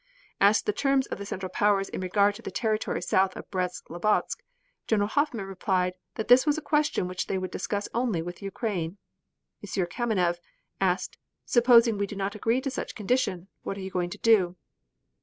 Asked the terms of the Central Powers in regard to the territory south of Brest Litovsk General Hoffman replied that was a question which they would discuss only with Ukraine. M. Kaminev asked: "Supposing we do not agree to such condition, what are you going to do?"